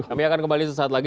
kami akan kembali sesaat lagi